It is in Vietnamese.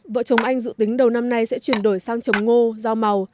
vợ chồng anh dự tính đầu năm nay sẽ chuyển đổi sang trồng ngô rau màu